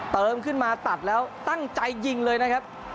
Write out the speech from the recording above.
เติมขึ้นมาตัดแล้วตั้งใจยิงเลยนะครับ